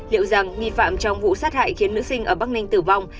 liệu rằng nghi phạm trong vụ sát hại khiến nữ sinh ở bắc ninh tử vong